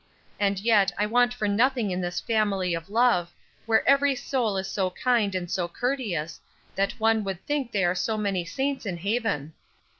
And yet, I want for nothing in this family of love, where every sole is so kind and so courteous, that wan would think they are so many saints in haven.